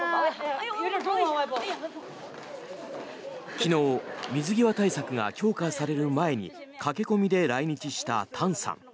昨日水際対策が強化される前に駆け込みで来日したタンさん。